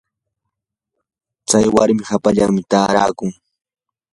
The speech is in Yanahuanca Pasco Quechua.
tsay warmi hapallanmi taarakun.